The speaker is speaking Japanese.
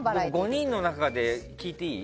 ５人の中で聞いていい？